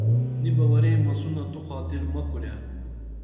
نی بہ ورے مسونہ تو خاطر مہ کُرے